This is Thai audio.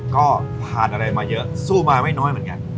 ก็ผ่านอะไรมาเยอะสู้มาไม่น้อยเหมือนกัน